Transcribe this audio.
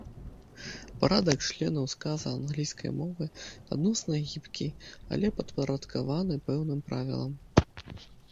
Парадак членаў сказа англійскай мовы адносна гібкі, але падпарадкаваны пэўным правілам.